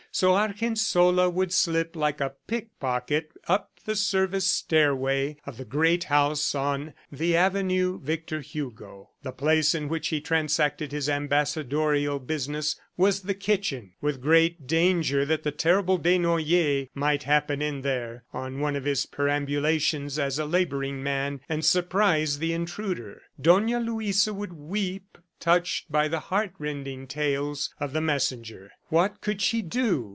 So Argensola would slip like a pickpocket up the service stairway of the great house on the avenue Victor Hugo. The place in which he transacted his ambassadorial business was the kitchen, with great danger that the terrible Desnoyers might happen in there, on one of his perambulations as a laboring man, and surprise the intruder. Dona Luisa would weep, touched by the heartrending tales of the messenger. What could she do!